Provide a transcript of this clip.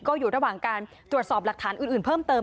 ก็อยู่ระหว่างการตรวจสอบหลักฐานอื่นเพิ่มเติม